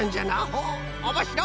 ほうおもしろい。